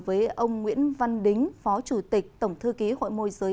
với ông nguyễn văn đính phó chủ tịch tổng thư ký hội môi giới